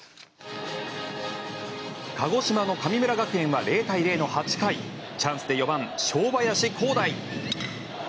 鹿児島の神村学園は０対０の８回チャンスで４番、正林輝大。